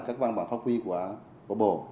các văn bản pháp quy của bộ